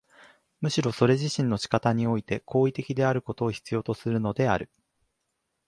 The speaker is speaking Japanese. むしろそれ自身の仕方において行為的であることを必要とするのである。